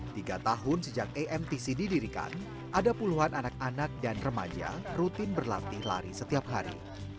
tiga tahun sejak amtc didirikan ada puluhan anak anak dan remaja rutin berlatih lari setiap hari